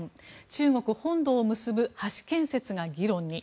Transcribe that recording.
中国本土を結ぶ橋建設が議論に。